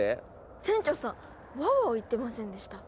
船長さん「ワオワオ」言ってませんでした？